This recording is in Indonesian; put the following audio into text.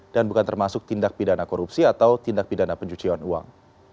dan bukan termasuk tindak pidana korupsi atau tindak pidana pencucian uang